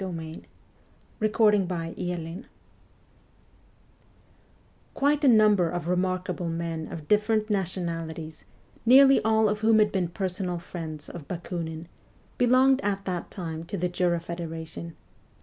WESTERN EUROPE 197 III QUITE a number of remarkable men of different nationalities, nearly all of whom had been personal friends of Bakiinin, belonged at that time to the Jura Federation.